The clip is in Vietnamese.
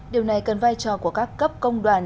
điều này cần vai trò của các cấp công đoàn